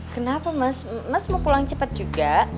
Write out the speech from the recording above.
kenapa mas mas mau pulang cepat juga